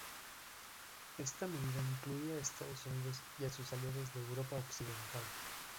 Esta medida incluía a Estados Unidos y a sus aliados de Europa Occidental.